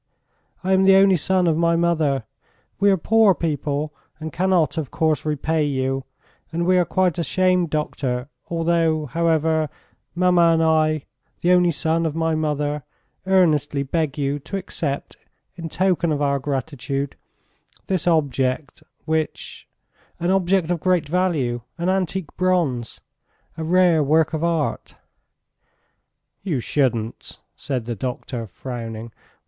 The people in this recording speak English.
"I am the only son of my mother ... we are poor people and cannot of course repay you, and we are quite ashamed, doctor, although, however, mamma and I ... the only son of my mother, earnestly beg you to accept in token of our gratitude ... this object, which ... An object of great value, an antique bronze. ... A rare work of art." "You shouldn't!" said the doctor, frowning.